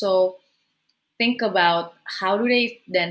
berpikir tentang bagaimana mereka